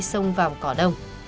sông vàng cỏ đồng